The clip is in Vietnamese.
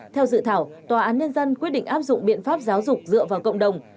theo dự thảo tòa án nhân dân quyết định áp dụng biện pháp giáo dục dựa vào cộng đồng